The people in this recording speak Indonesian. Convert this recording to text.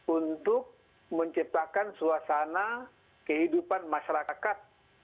untuk menciptakan suasana kehidupan masyarakat